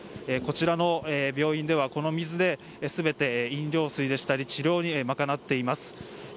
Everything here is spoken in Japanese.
こちらの病院では、この水で全て飲料水でしたり治療をまかなっています。